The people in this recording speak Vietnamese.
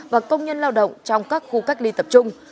và công nhân lao động trong các khu cách ly tập trung